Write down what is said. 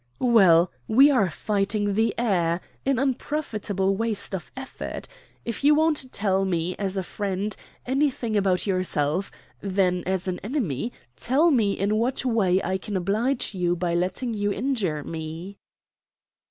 "Well, we are fighting the air an unprofitable waste of effort. If you won't tell me, as a friend, anything about yourself, then, as an enemy, tell me in what way I can oblige you by letting you injure me?"